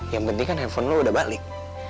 yang penting kan handphone lo udah balik